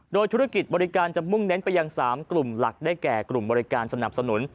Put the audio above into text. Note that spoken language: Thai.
โดยธุรกิจบริการจะมุ่งเน้นไปยัง๓กลุ่มหลักได้แก่กลุ่มบริการสนับสนุน